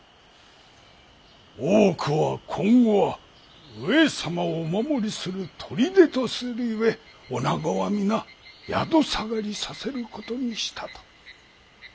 大奥は今後は上様をお守りする砦とする故女子は皆宿下がりさせることにしたと。